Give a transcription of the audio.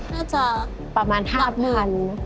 น่าจะประมาณ๕พัน